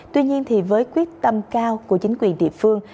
tuy nhiên với quyết tâm cao của chính quyền địa phương